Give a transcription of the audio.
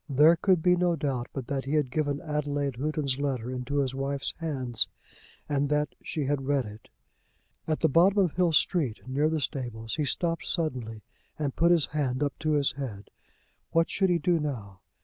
There could be no doubt but that he had given Adelaide Houghton's letter into his wife's hands, and that she had read it. At the bottom of Hill Street, near the stables, he stopped suddenly and put his hand up to his head. What should he do now?